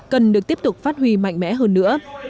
cần được tiếp tục phát huy mạnh mẽ hơn nữa